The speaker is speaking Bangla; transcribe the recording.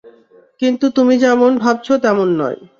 কিন্তু তুমি যেমন ভাবছো তেমন নয়।